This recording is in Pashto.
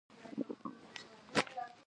نه یې د دوښمنی تعین معقوله کړې ده.